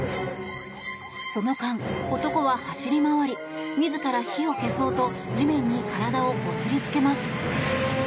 その間、男は走り回り自ら火を消そうと地面に体をこすりつけます。